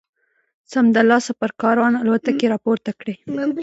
سمدلاسه پر کاروان الوتکې را پورته کړي.